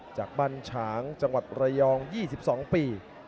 จากบรรชางจังหวัดเรียอง๒๒ปี